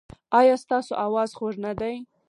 ایا ستاسو اواز خوږ نه دی؟